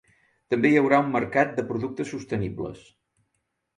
També hi haurà un mercat de productes sostenibles.